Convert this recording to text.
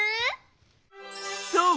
そう！